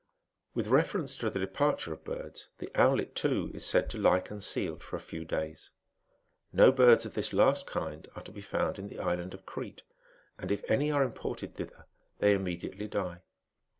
With reference to the departure of birds, the owlet, too, is said to lie concealed for a few days. No birds of this last kind are to be found in the island of Crete, and if any are imported thither, they immediately die.